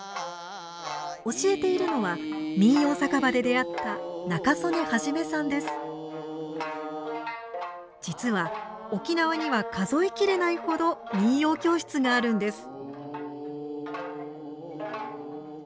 教えているのは民謡酒場で出会った実は沖縄には数え切れないほど民謡教室があるんです。